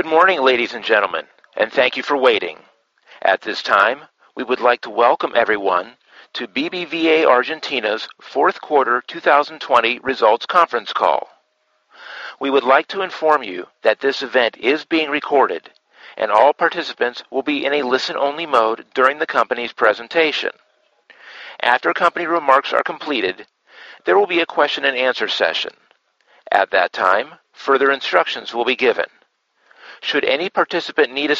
Good morning, ladies and gentlemen. Thank you for waiting. At this time, we would like to welcome everyone to Banco BBVA Argentina's fourth quarter 2020 results conference call. We would like to inform you that this event is being recorded, and all participants will be in a listen-only mode during the company's presentation. After company remarks are completed, there will be a question-and-answer session. At that time, further instructions will be given. First of all,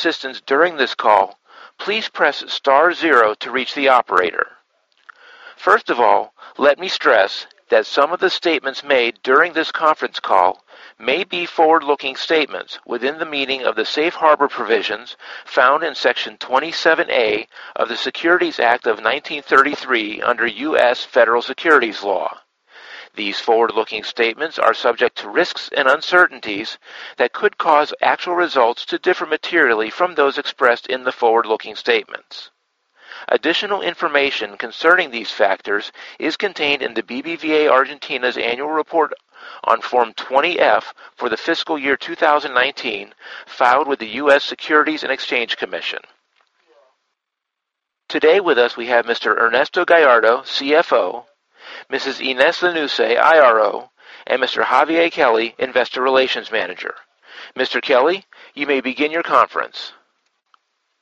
let me stress that some of the statements made during this conference call may be forward-looking statements within the meaning of the Safe Harbor provisions found in Section 27A of the Securities Act of 1933 under U.S. Federal Securities Law. These forward-looking statements are subject to risks and uncertainties that could cause actual results to differ materially from those expressed in the forward-looking statements. Additional information concerning these factors is contained in the Banco BBVA Argentina's annual report on Form 20-F for the fiscal year 2019, filed with the U.S. Securities and Exchange Commission. Today with us, we have Mr. Ernesto Gallardo, CFO, Mrs. Inés Lanusse, IRO, and Mr. Javier Kelly, Investor Relations Manager. Mr. Kelly, you may begin your conference.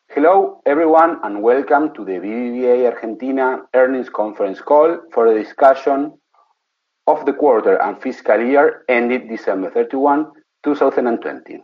Hello, everyone, and welcome to the BBVA Argentina earnings conference call for the discussion of the quarter and fiscal year ended December 31, 2020.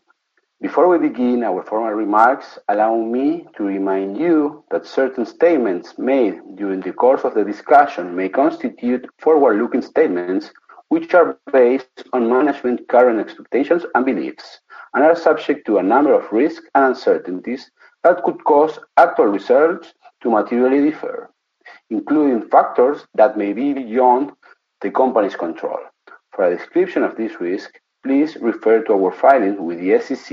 Before we begin our formal remarks, allow me to remind you that certain statements made during the course of the discussion may constitute forward-looking statements, which are based on management's current expectations and beliefs and are subject to a number of risks and uncertainties that could cause actual results to materially differ, including factors that may be beyond the company's control. For a description of this risk, please refer to our filings with the SEC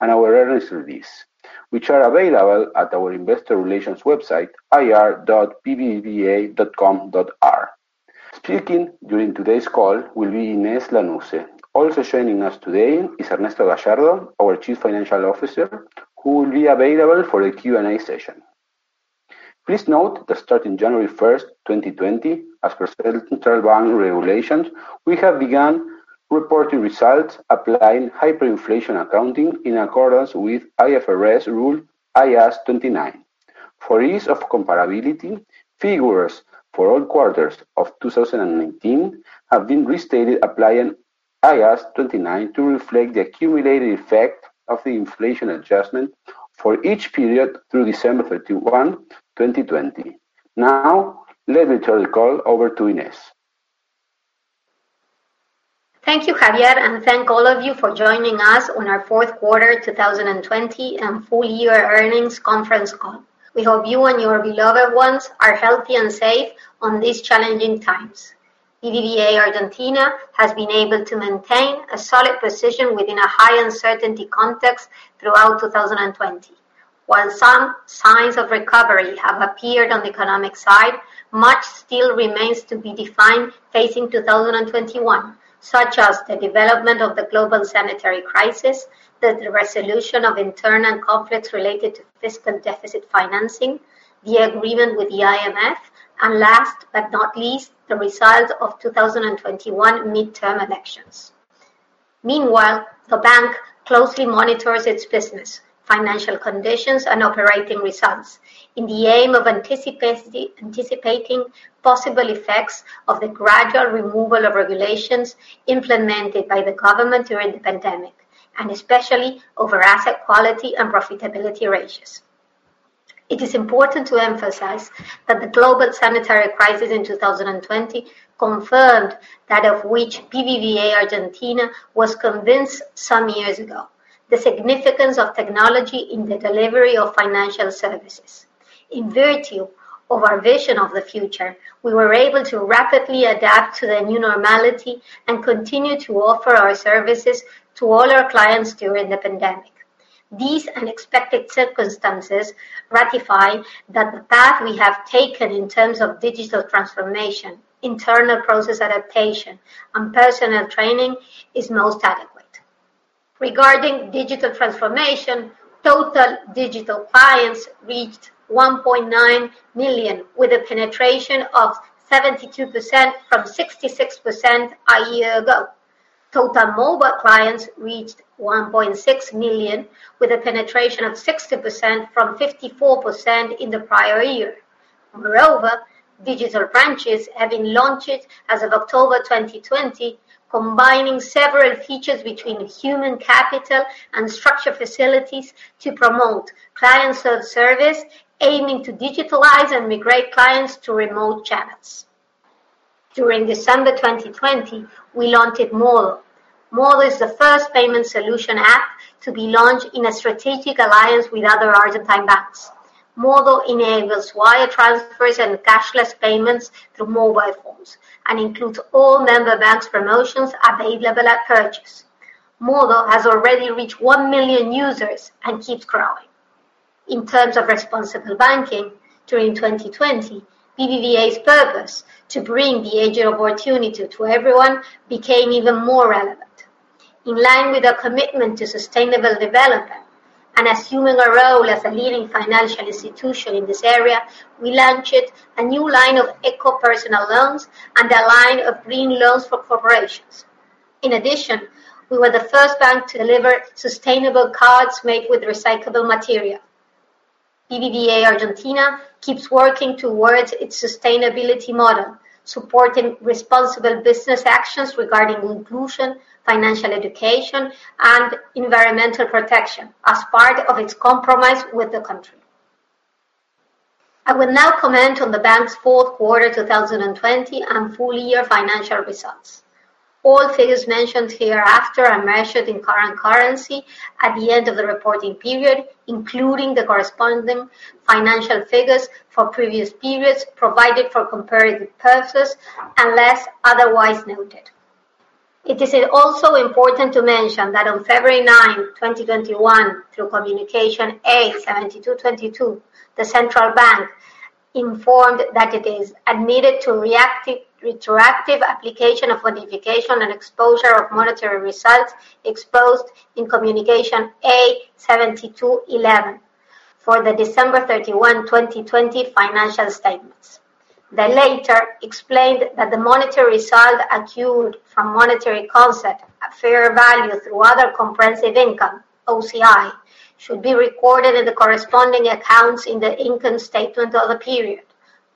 and our release, which are available at our investor relations website, ir.bbva.com.ar. Speaking during today's call will be Inés Lanusse. Also joining us today is Ernesto Gallardo, our Chief Financial Officer, who will be available for the Q&A session. Please note that starting January 1st, 2020, as per certain internal bank regulations, we have begun reporting results applying hyperinflation accounting in accordance with IFRS Rule IAS 29. For ease of comparability, figures for all quarters of 2019 have been restated applying IAS 29 to reflect the accumulated effect of the inflation adjustment for each period through December 31, 2020. Now, let me turn the call over to Inés. Thank you, Javier, and thank all of you for joining us on our fourth quarter 2020 and full year earnings conference call. We hope you and your beloved ones are healthy and safe on these challenging times. BBVA Argentina has been able to maintain a solid position within a high uncertainty context throughout 2020. While some signs of recovery have appeared on the economic side, much still remains to be defined facing 2021, such as the development of the global sanitary crisis, the resolution of internal conflicts related to fiscal deficit financing, the agreement with the IMF, and last but not least, the result of 2021 midterm elections. Meanwhile, the bank closely monitors its business, financial conditions, and operating results in the aim of anticipating possible effects of the gradual removal of regulations implemented by the government during the pandemic, and especially over asset quality and profitability ratios. It is important to emphasize that the global sanitary crisis in 2020 confirmed that of which BBVA Argentina was convinced some years ago: the significance of technology in the delivery of financial services. In virtue of our vision of the future, we were able to rapidly adapt to the new normality and continue to offer our services to all our clients during the pandemic. These unexpected circumstances ratify that the path we have taken in terms of digital transformation, internal process adaptation, and personal training is most adequate. Regarding digital transformation, total digital clients reached 1.9 million, with a penetration of 72% from 66% a year ago. Total mobile clients reached 1.6 million, with a penetration of 60% from 54% in the prior year. Moreover, digital branches have been launched as of October 2020, combining several features between human capital and structure facilities to promote client self-service, aiming to digitalize and migrate clients to remote channels. During December 2020, we launched MODO. MODO is the first payment solution app to be launched in a strategic alliance with other Argentine banks. MODO enables wire transfers and cashless payments through mobile phones and includes all member banks' promotions available at purchase. MODO has already reached 1 million users and keeps growing. In terms of responsible banking during 2020, BBVA's purpose to bring the age of opportunity to everyone became even more relevant. In line with our commitment to sustainable development and assuming a role as a leading financial institution in this area, we launched a new line of eco personal loans and a line of green loans for corporations. In addition, we were the first bank to deliver sustainable cards made with recyclable material. BBVA Argentina keeps working towards its sustainability model, supporting responsible business actions regarding inclusion, financial education, and environmental protection as part of its commitment with the country. I will now comment on the bank's fourth quarter 2020 and full year financial results. All figures mentioned hereafter are measured in current currency at the end of the reporting period, including the corresponding financial figures for previous periods provided for comparative purposes, unless otherwise noted. It is also important to mention that on February 9, 2021, through Communication A 7222, the central bank informed that it is admitted to retroactive application of modification and exposure of monetary results exposed in Comunicación A 7211 for the December 31, 2020 financial statements. The latter explained that the monetary result accrued from monetary concept at fair value through other comprehensive income, OCI, should be recorded in the corresponding accounts in the income statement of the period.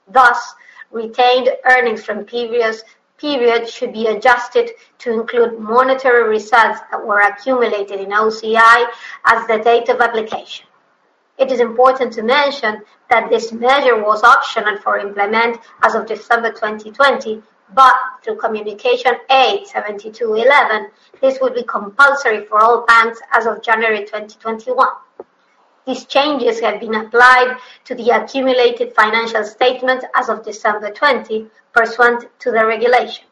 Thus, retained earnings from previous periods should be adjusted to include monetary results that were accumulated in OCI as the date of application. It is important to mention that this measure was optional for implement as of December 2020, but through Communication A 7211, this would be compulsory for all banks as of January 2021. These changes have been applied to the accumulated financial statements as of December 2020, pursuant to the regulation.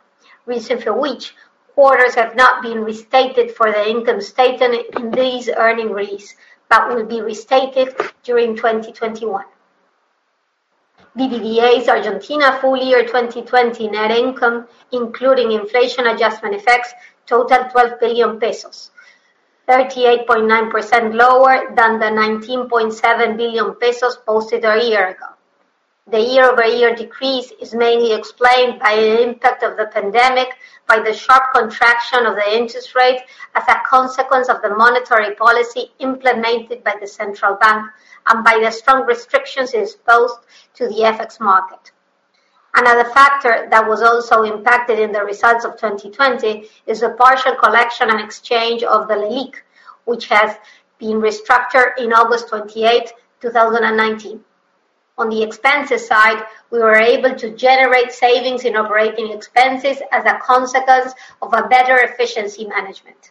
Reason for which, quarters have not been restated for the income statement in this earnings release, but will be restated during 2021. BBVA's Argentina full year 2020 net income, including inflation adjustment effects, totaled 12 billion pesos, 38.9% lower than the 19.7 billion pesos posted a year ago. The year-over-year decrease is mainly explained by the impact of the pandemic, by the sharp contraction of the interest rate as a consequence of the monetary policy implemented by the Central Bank, and by the strong restrictions exposed to the FX market. Another factor that was also impacted in the results of 2020 is the partial collection and exchange of the LECAP, which has been restructured in August 28, 2019. On the expenses side, we were able to generate savings in operating expenses as a consequence of a better efficiency management.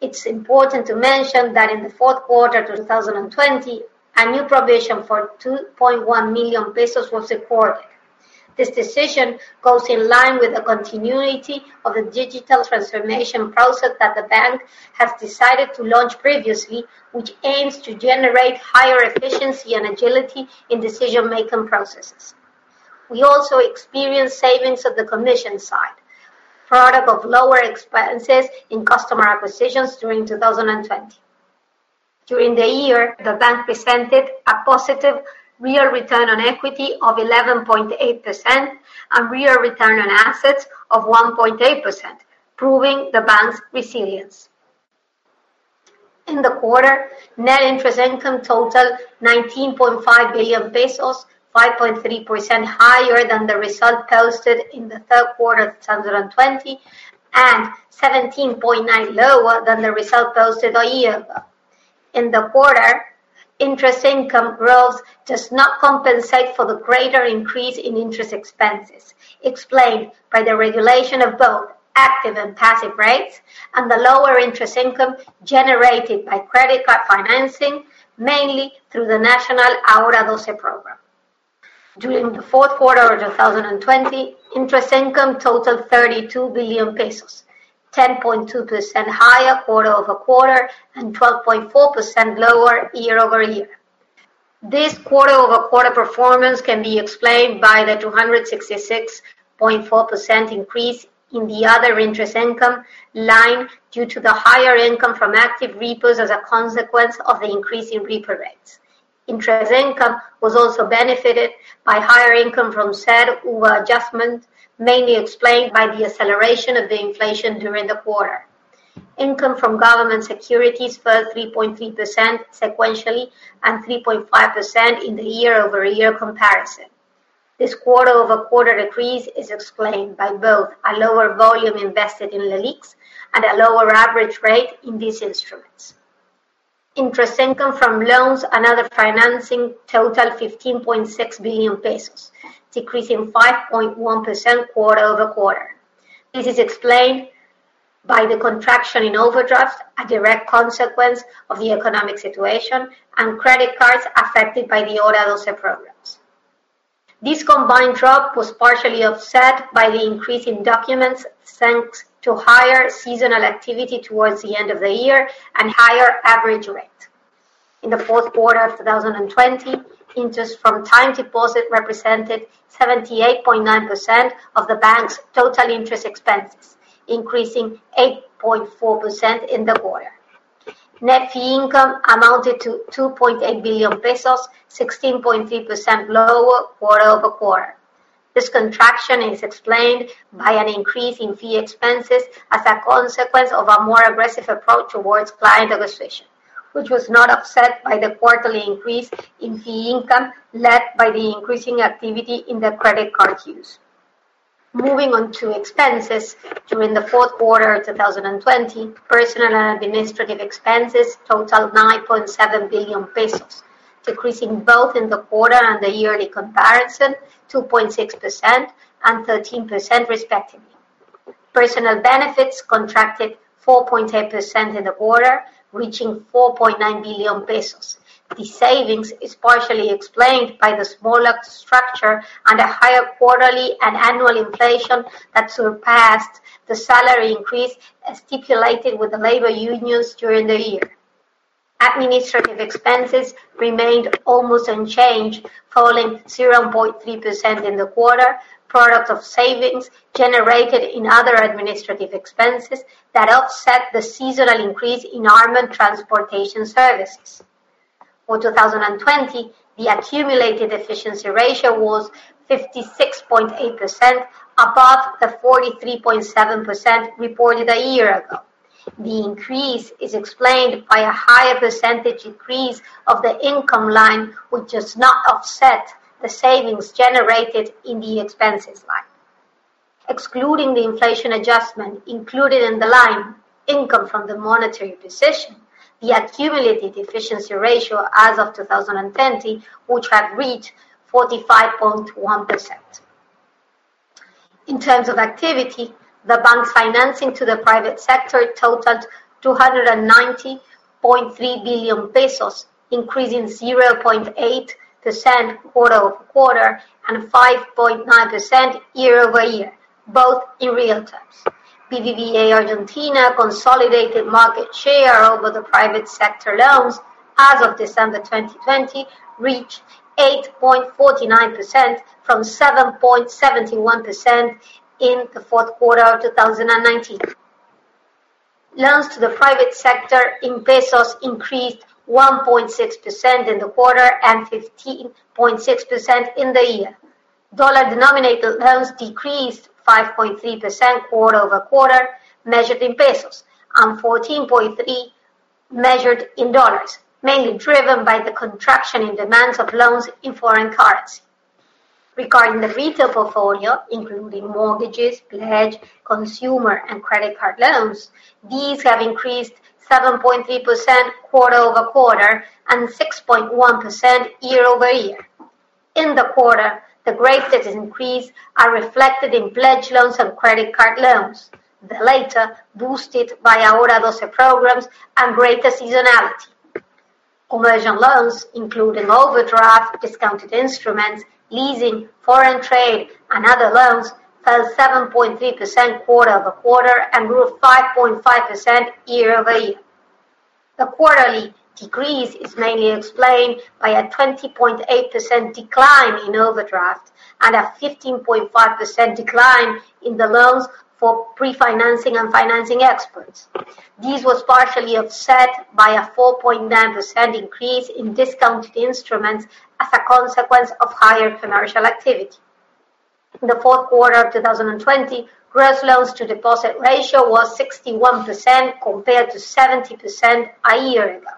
It's important to mention that in the fourth quarter 2020, a new provision for 2.1 million pesos was recorded. This decision goes in line with the continuity of the digital transformation process that the bank has decided to launch previously, which aims to generate higher efficiency and agility in decision-making processes. We also experienced savings on the commission side, product of lower expenses in customer acquisitions during 2020. During the year, the bank presented a positive real ROE of 11.8% and real ROA of 1.8%, proving the bank's resilience. In the quarter, net interest income totaled 19.5 billion pesos, 5.3% higher than the result posted in the third quarter 2020 and 17.9% lower than the result posted a year ago. In the quarter, interest income growth does not compensate for the greater increase in interest expenses, explained by the regulation of both active and passive rates and the lower interest income generated by credit card financing, mainly through the national Ahora 12 program. During the fourth quarter of 2020, interest income totaled 32 billion pesos, 10.2% higher quarter-over-quarter and 12.4% lower year-over-year. This quarter-over-quarter performance can be explained by the 266.4% increase in the other interest income line due to the higher income from active repos as a consequence of the increase in repo rates. Interest income was also benefited by higher income from CER/UVA adjustment, mainly explained by the acceleration of the inflation during the quarter. Income from government securities fell 3.3% sequentially and 3.5% in the year-over-year comparison. This quarter-over-quarter decrease is explained by both a lower volume invested in LELIQs and a lower average rate in these instruments. Interest income from loans and other financing totaled ARS 15.6 billion, decreasing 5.1% quarter-over-quarter. This is explained by the contraction in overdraft, a direct consequence of the economic situation, and credit cards affected by the Ahora 12 programs. This combined drop was partially offset by the increase in documents, thanks to higher seasonal activity towards the end of the year and higher average rate. In the fourth quarter of 2020, interest from time deposit represented 78.9% of the bank's total interest expenses, increasing 8.4% in the quarter. Net fee income amounted to 2.8 billion pesos, 16.3% lower quarter-over-quarter. This contraction is explained by an increase in fee expenses as a consequence of a more aggressive approach towards client acquisition, which was not offset by the quarterly increase in fee income led by the increasing activity in the credit card use. Moving on to expenses, during the fourth quarter of 2020, personnel and administrative expenses totaled 9.7 billion pesos, decreasing both in the quarter and the yearly comparison, 2.6% and 13% respectively. Personnel benefits contracted 4.8% in the quarter, reaching 4.9 billion pesos. These savings is partially explained by the smaller structure and a higher quarterly and annual inflation that surpassed the salary increase stipulated with the labor unions during the year. Administrative expenses remained almost unchanged, falling 0.3% in the quarter, product of savings generated in other administrative expenses that offset the seasonal increase in armored transportation services. For 2020, the accumulated efficiency ratio was 56.8%, above the 43.7% reported a year ago. The increase is explained by a higher percentage increase of the income line, which does not offset the savings generated in the expenses line. Excluding the inflation adjustment included in the line income from the monetary position, the accumulated efficiency ratio as of 2020, would have reached 45.1%. In terms of activity, the bank financing to the private sector totaled ARS 290.3 billion, increasing 0.8% quarter-over-quarter and 5.9% year-over-year, both in real terms. Banco BBVA Argentina consolidated market share over the private sector loans as of December 2020, reached 8.49% from 7.71% in the fourth quarter of 2019. Loans to the private sector in ARS increased 1.6% in the quarter and 15.6% in the year. Dollar-denominated loans decreased 5.3% quarter-over-quarter measured in ARS and $14.3 measured in dollars, mainly driven by the contraction in demands of loans in foreign currency. Regarding the retail portfolio, including mortgages, pledge, consumer, and credit card loans, these have increased 7.3% quarter-over-quarter and 6.1% year-over-year. In the quarter, the greatest increase are reflected in pledge loans and credit card loans. The latter boosted by Ahora 12 programs and greater seasonality. Commercial loans, including overdraft, discounted instruments, leasing, foreign trade, and other loans, fell 7.3% quarter-over-quarter and grew 5.5% year-over-year. The quarterly decrease is mainly explained by a 20.8% decline in overdraft and a 15.5% decline in the loans for pre-financing and financing exports. This was partially offset by a 4.9% increase in discounted instruments as a consequence of higher commercial activity. In the fourth quarter of 2020, gross loans to deposit ratio was 61% compared to 70% a year ago.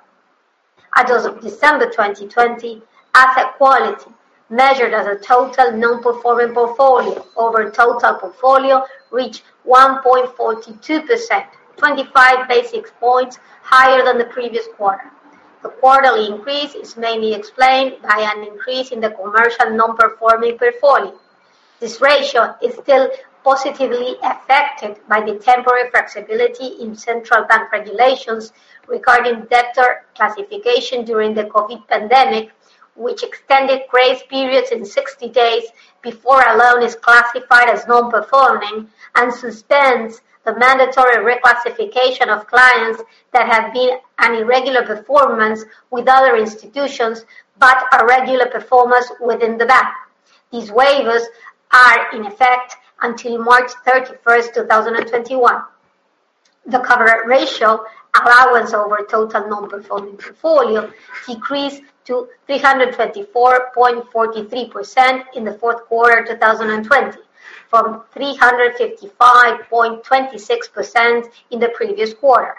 As of December 2020, asset quality measured as a total non-performing portfolio over total portfolio reached 1.42%, 25 basis points higher than the previous quarter. The quarterly increase is mainly explained by an increase in the commercial non-performing portfolio. This ratio is still positively affected by the temporary flexibility in central bank regulations regarding debtor classification during the COVID pandemic, which extended grace periods in 60 days before a loan is classified as non-performing and suspends the mandatory reclassification of clients that have been an irregular performance with other institutions but a regular performance within the bank. These waivers are in effect until March 31st 2021. Thecoverage ratio allowance over total non-performing portfolio decreased to 324.43% in the fourth quarter of 2020 from 355.26% in the previous quarter.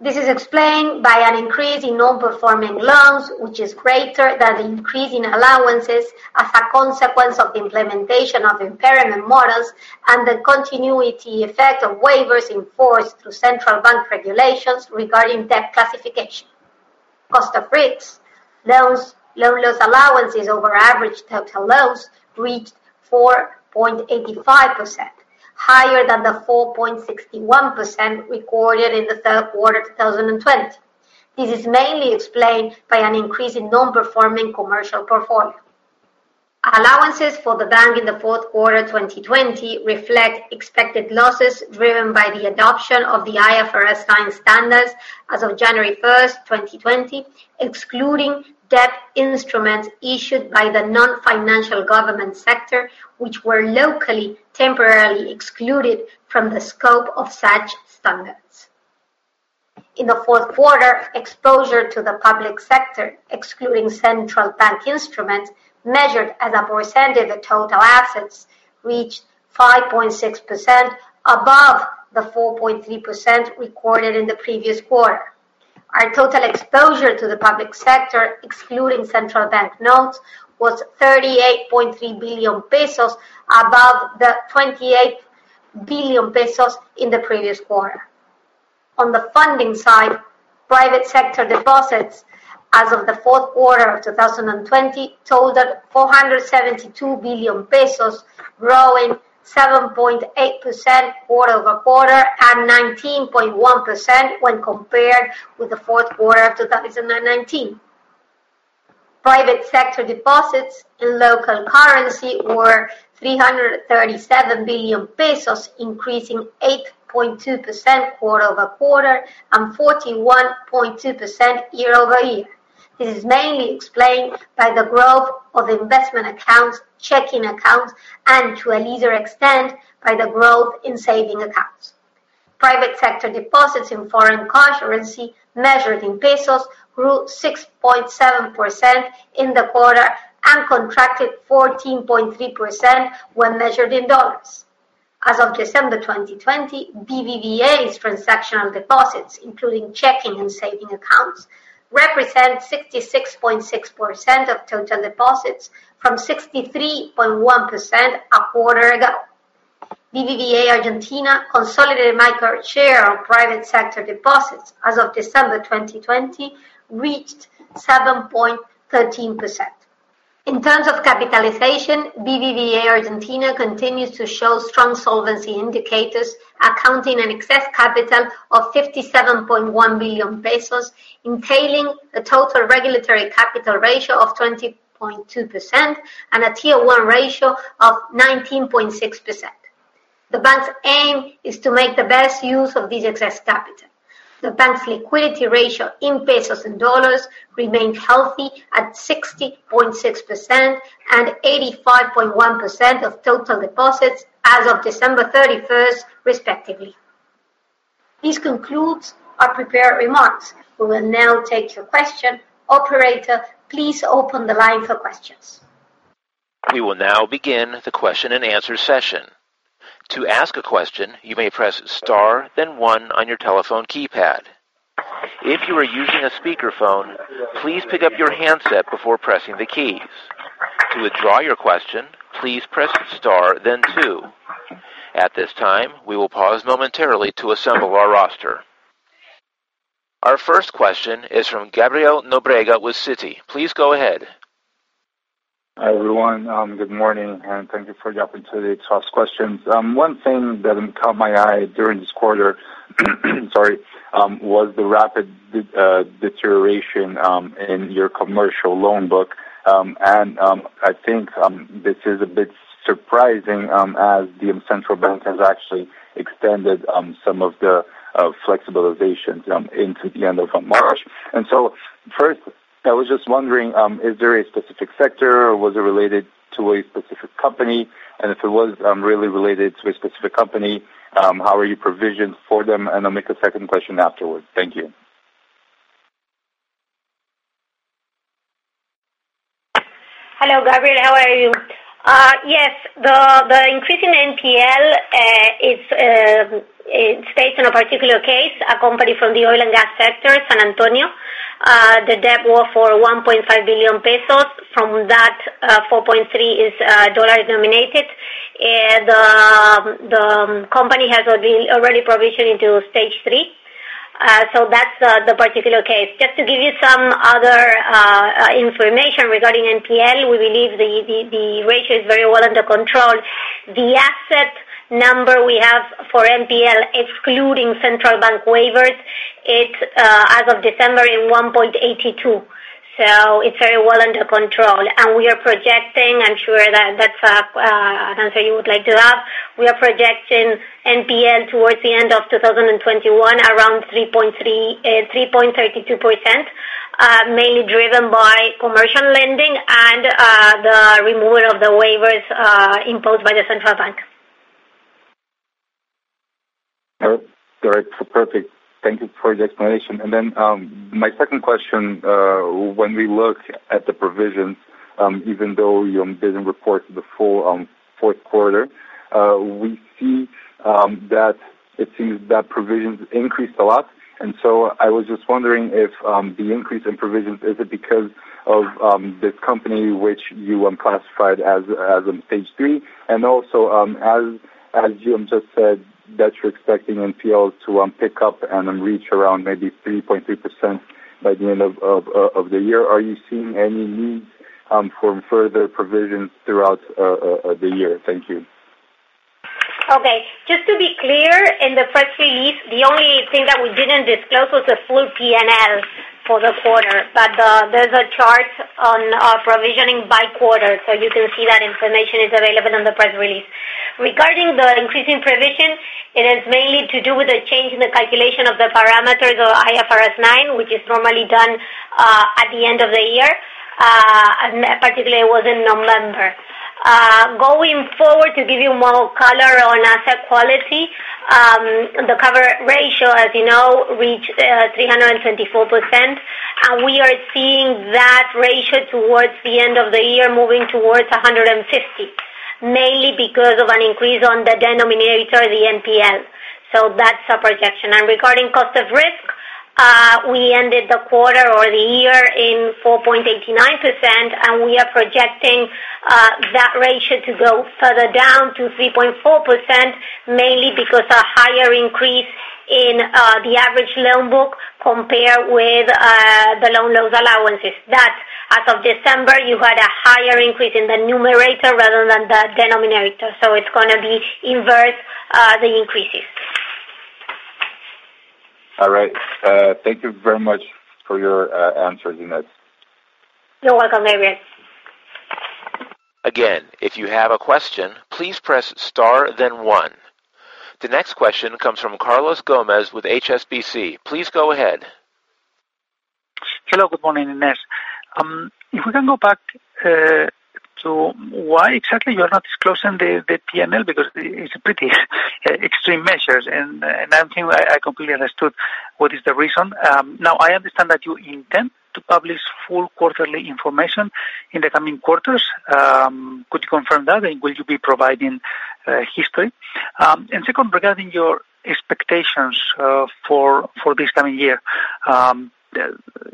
This is explained by an increase in non-performing loans, which is greater than the increase in allowances as a consequence of the implementation of impairment models and the continuity effect of waivers enforced through central bank regulations regarding debt classification. Cost of risks, loan loss allowances over average total loans reached 4.85%. Higher than the 4.61% recorded in the third quarter 2020. This is mainly explained by an increase in non-performing commercial portfolio. Allowances for the bank in the fourth quarter 2020 reflect expected losses driven by the adoption of the IFRS 9 standards as of January 1st, 2020, excluding debt instruments issued by the non-financial government sector, which were locally temporarily excluded from the scope of such standards. In the fourth quarter, exposure to the public sector, excluding Central Bank instruments, measured as a percentage of total assets, reached 5.6%, above the 4.3% recorded in the previous quarter. Our total exposure to the public sector, excluding Central Bank notes, was 38.3 billion pesos, above the 28 billion pesos in the previous quarter. On the funding side, private sector deposits as of the fourth quarter of 2020 totaled 472 billion pesos, growing 7.8% quarter-over-quarter and 19.1% when compared with the fourth quarter of 2019. Private sector deposits in local currency were 337 billion pesos, increasing 8.2% quarter-over-quarter and 41.2% year-over-year. This is mainly explained by the growth of investment accounts, checking accounts, and to a lesser extent, by the growth in saving accounts. Private sector deposits in foreign currency measured in pesos grew 6.7% in the quarter and contracted 14.3% when measured in USD. As of December 2020, BBVA's transactional deposits, including checking and saving accounts, represent 66.6% of total deposits from 63.1% a quarter ago. BBVA Argentina consolidated market share of private sector deposits as of December 2020 reached 7.13%. In terms of capitalization, BBVA Argentina continues to show strong solvency indicators, accounting an excess capital of 57.1 billion pesos, entailing a total regulatory capital ratio of 20.2% and a Tier 1 ratio of 19.6%. The bank's aim is to make the best use of this excess capital. The bank's liquidity ratio in ARS and USD remained healthy at 60.6% and 85.1% of total deposits as of December 31st, respectively. This concludes our prepared remarks. We will now take your question. Operator, please open the line for questions. We will now begin the question-and-answer session. To ask a question you may press star then one on your telephone keypad. If you are using a speaker phone please pick up your handset before pressing the keys. To withdraw your questions, please press star then two. At this time, we will pause momentarily to assemble our roster. Our first question is from Gabriel Nóbrega with Citi. Please go ahead. Hi, everyone. Good morning. Thank you for the opportunity to ask questions. One thing that caught my eye during this quarter, sorry, was the rapid deterioration in your commercial loan book. I think this is a bit surprising, as the Central Bank has actually extended some of the flexibilizations into the end of March. First, I was just wondering, is there a specific sector, or was it related to a specific company? If it was really related to a specific company, how are you provisioned for them? I'll make a second question afterwards. Thank you. Hello, Gabriel. How are you? Yes. The increase in NPL is stated in a particular case, a company from the oil and gas sector, San Antonio. The debt was for 1.5 billion pesos. From that, 4.3% is dollar-denominated. The company has been already provisioned into stage three. That's the particular case. Just to give you some other information regarding NPL, we believe the ratio is very well under control. The asset number we have for NPL, excluding Central Bank waivers, it's as of December, 1.82%. It's very well under control. We are projecting, I'm sure that that's an answer you would like to have. We are projecting NPL towards the end of 2021, around 3.32%, mainly driven by commercial lending and the removal of the waivers imposed by the Central Bank. All right. Perfect. Thank you for the explanation. My second question, when we look at the provisions, even though you didn't report the full fourth quarter, it seems that provisions increased a lot. I was just wondering if the increase in provisions, is it because of this company which you classified as stage 3? As you just said, that you're expecting NPL to pick up and then reach around maybe 3.3% by the end of the year. Are you seeing any need for further provisions throughout the year? Thank you. Just to be clear, in the press release, the only thing that we didn't disclose was the full P&L for the quarter. There's a chart on our provisioning by quarter, you can see that information is available in the press release. Regarding the increasing provision, it is mainly to do with the change in the calculation of the parameters of IFRS 9, which is normally done at the end of the year. Particularly, it was in November. Going forward, to give you more color on asset quality, the cover ratio, as you know, reached 324%, we are seeing that ratio towards the end of the year moving towards 150, mainly because of an increase on the denominator, the NPL. That's our projection. Regarding cost of risk, we ended the quarter or the year in 4.89%. We are projecting that ratio to go further down to 3.4%, mainly because a higher increase in the average loan book compared with the loan loss allowances. That, as of December, you had a higher increase in the numerator rather than the denominator. It's going to be inverse, the increases. All right. Thank you very much for your answers, Inés. You're welcome, Gabriel. Again, if you have a question, please press star then one. The next question comes from Carlos Gómez with HSBC. Please go ahead. Hello. Good morning, Inés. If we can go back to why exactly you are not disclosing the P&L, because it's pretty extreme measures, and I don't think I completely understood what is the reason. Now, I understand that you intend to publish full quarterly information in the coming quarters. Could you confirm that, and will you be providing history? Second, regarding your expectations for this coming year,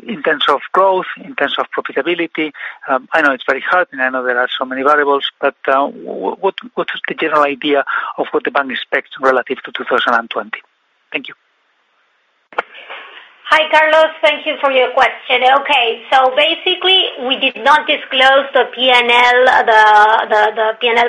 in terms of growth, in terms of profitability, I know it's very hard, and I know there are so many variables, but what is the general idea of what the bank expects relative to 2020? Thank you. Hi, Carlos. Thank you for your question. Okay. Basically, we did not disclose the P&L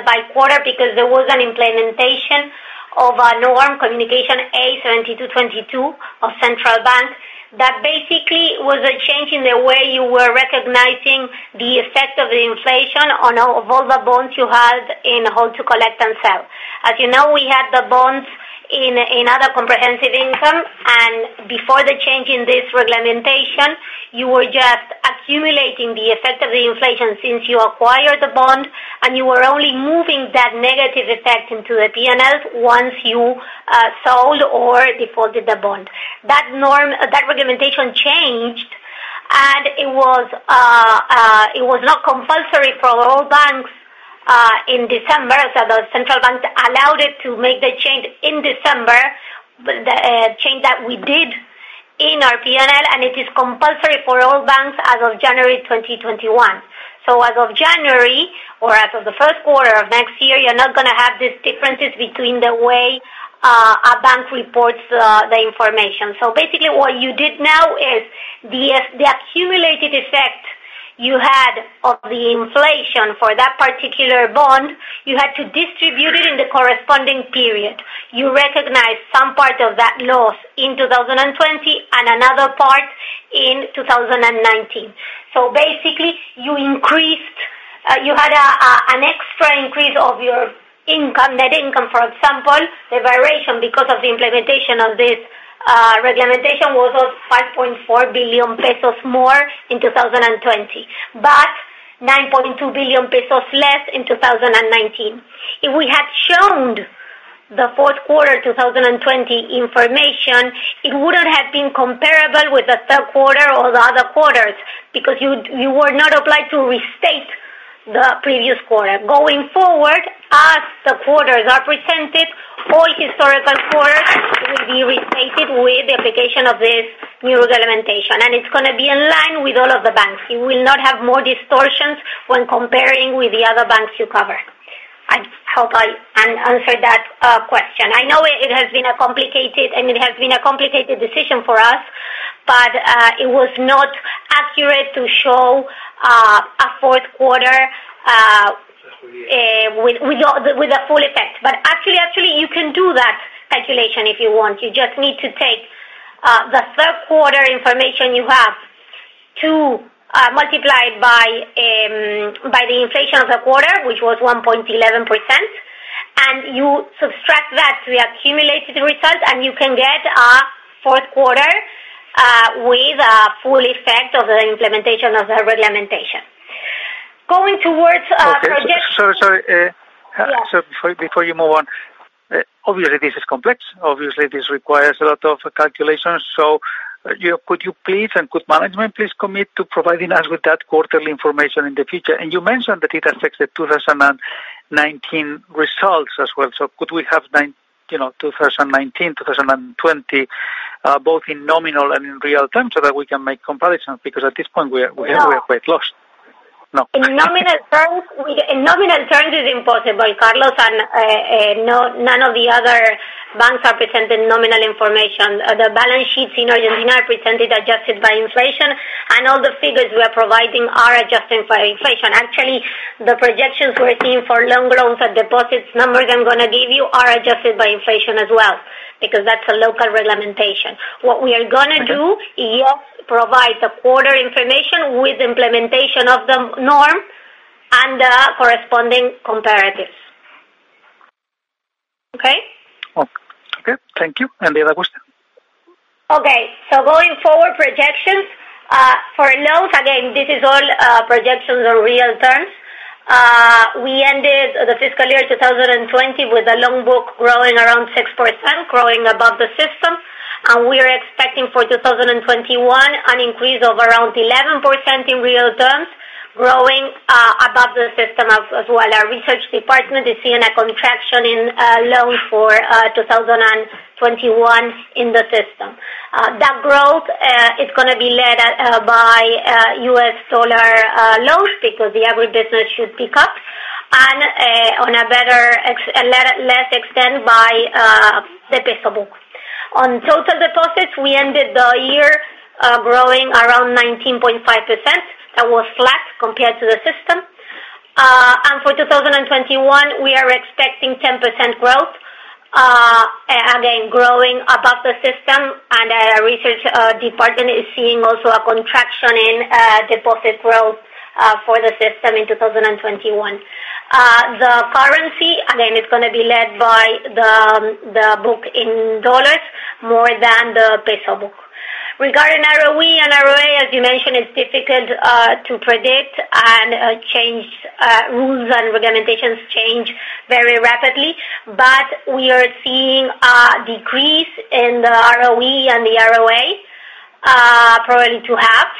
by quarter because there was an implementation of a norm, Communication A 7222 of Central Bank, that basically was a change in the way you were recognizing the effect of the inflation of all the bonds you had in hold to collect and sell. As you know, we had the bonds in other comprehensive income, and before the change in this regulation, you were just accumulating the effect of the inflation since you acquired the bond, and you were only moving that negative effect into the P&L once you sold or defaulted the bond. That regulation changed, and it was not compulsory for all banks in December. The Central Bank allowed it to make the change in December, the change that we did in our P&L, and it is compulsory for all banks as of January 2021. As of January, or as of the first quarter of next year, you're not going to have these differences between the way a bank reports the information. Basically, what you did now is the accumulated effect you had of the inflation for that particular bond, you had to distribute it in the corresponding period. You recognized some part of that loss in 2020 and another part in 2019. Basically, you had an extra increase of your net income. For example, the variation because of the implementation of this regulation was of 5.4 billion pesos more in 2020, but 9.2 billion pesos less in 2019. If we had shown the Q4 2020 information, it wouldn't have been comparable with the third quarter or the other quarters, because you were not obliged to restate the previous quarter. Going forward, as the quarters are presented, all historical quarters will be restated with the application of this new regulation. It's going to be in line with all of the banks. You will not have more distortions when comparing with the other banks you cover. I hope I answered that question. I know it has been complicated, and it has been a complicated decision for us, but it was not accurate to show a fourth quarter with the full effect. Actually, you can do that calculation if you want. You just need to take the third quarter information you have to multiply it by the inflation of the quarter, which was 1.11%, and you subtract that to the accumulated result, and you can get a fourth quarter with a full effect of the implementation of the regulation. Okay. Sorry. Yeah. Before you move on, obviously, this is complex. Obviously, this requires a lot of calculations. Could you please, and could management please commit to providing us with that quarterly information in the future? You mentioned that it affects the 2019 results as well. Could we have 2019, 2020, both in nominal and in real time so that we can make comparisons? At this point, we are- Yeah We are quite lost. In nominal terms is impossible, Carlos, and none of the other banks are presenting nominal information. The balance sheets in Argentina are presented adjusted by inflation, and all the figures we are providing are adjusted for inflation. Actually, the projections we're seeing for loan growth and deposits numbers I'm going to give you are adjusted by inflation as well, because that's a local regulation. What we are going to do is just provide the quarter information with implementation of the norm and the corresponding comparatives. Okay? Okay. Thank you. The other question. Okay. Going forward projections, for loans, again, this is all projections are real terms. We ended the fiscal year 2020 with the loan book growing around 6%, growing above the system. We are expecting for 2021, an increase of around 11% in real terms, growing above the system as well. Our research department is seeing a contraction in loans for 2021 in the system. That growth is going to be led by USD loans because the ag business should pick up, on a less extent by the peso book. On total deposits, we ended the year growing around 19.5%. That was flat compared to the system. For 2021, we are expecting 10% growth, again, growing above the system. Our research department is seeing also a contraction in deposit growth for the system in 2021. The currency, again, is going to be led by the book in dollars more than the peso book. Regarding ROE and ROA, as you mentioned, it's difficult to predict, and rules and regulations change very rapidly. We are seeing a decrease in the ROE and the ROA, probably to half,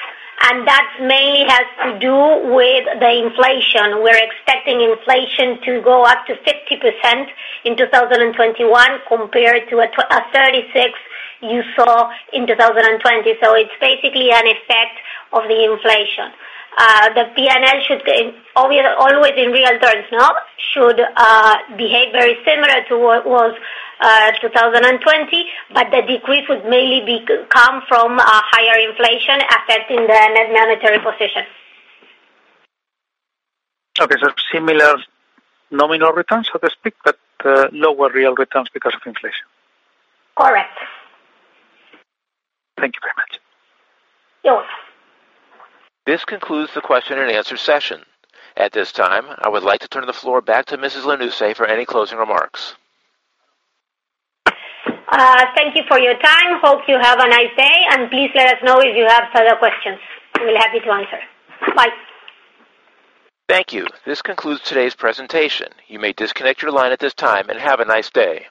and that mainly has to do with the inflation. We're expecting inflation to go up to 50% in 2021 compared to a 36% you saw in 2020. It's basically an effect of the inflation. The P&L should, always in real terms now, should behave very similar to what was 2020, but the decrease would mainly come from higher inflation affecting the net monetary position. Okay, similar nominal returns, so to speak, but lower real returns because of inflation. Correct. Thank you very much. You're welcome. This concludes the question-and-answer session. At this time, I would like to turn the floor back to Mrs. Lanusse for any closing remarks. Thank you for your time. Hope you have a nice day, and please let us know if you have further questions. We'll be happy to answer. Bye. Thank you. This concludes today's presentation. You may disconnect your line at this time, and have a nice day.